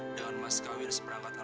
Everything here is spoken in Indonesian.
dengan mas kawir semerangkat alam